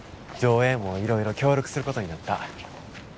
条映もいろいろ協力することになった。